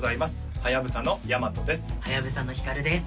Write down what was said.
はやぶさのヒカルです